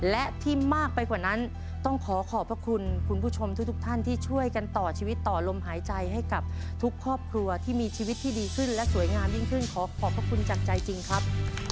และที่มากไปกว่านั้นต้องขอขอบพระคุณคุณผู้ชมทุกท่านที่ช่วยกันต่อชีวิตต่อลมหายใจให้กับทุกครอบครัวที่มีชีวิตที่ดีขึ้นและสวยงามยิ่งขึ้นขอขอบพระคุณจากใจจริงครับ